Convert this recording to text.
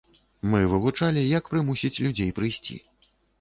Мы вывучалі, як прымусіць людзей прыйсці.